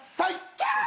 キャー！